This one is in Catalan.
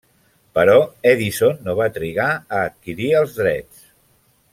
Però Edison no va trigar a adquirir els drets.